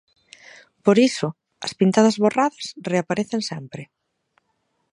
Por iso, as pintadas borradas reaparecen sempre.